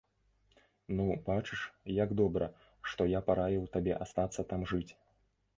Ну, бачыш, як добра, што я параіў табе астацца там жыць.